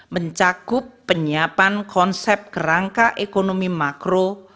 mencakup penyiapan konsep kerangka ekonomi makro